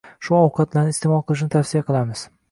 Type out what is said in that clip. Shu ovqatlarni isteʼmol qilishni tavsiya qilamiz